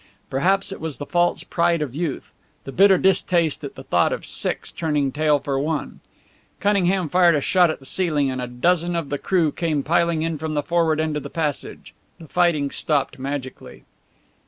Perhaps it was the false pride of youth; the bitter distaste at the thought of six turning tail for one. Cunningham fired a shot at the ceiling, and a dozen of the crew came piling in from the forward end of the passage. The fighting stopped magically.